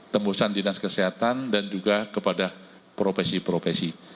tembusan dinas kesehatan dan juga kepada profesi profesi